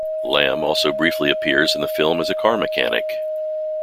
Lam also briefly appears in the film as a car mechanic.